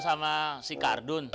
sama si kardun